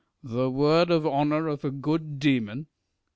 The word of honour of a good demon